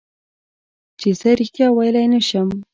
چې زه رښتیا ویلی نه شم.